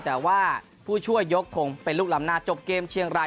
แต่ว่าผู้ช่วยยกทงเป็นลูกลำหน้าจบเกมเชียงราย